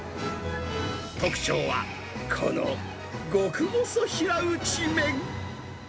特徴は、この極細平打ち麺。